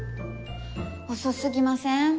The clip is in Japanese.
遅すぎません？